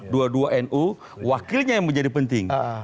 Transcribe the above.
dua dua nu wakilnya yang menjadi penting